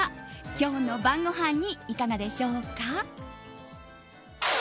今日の晩ごはんにいかがでしょうか。